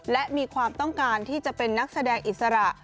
และมีความต้องการที่จะเป็นนักแสดงอิสระ